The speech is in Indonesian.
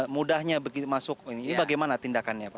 mudahnya begitu masuk ini bagaimana tindakannya pak